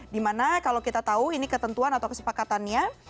dimana kalau kita tahu ini ketentuan atau kesepakatannya